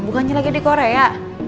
bukannya lagi di korea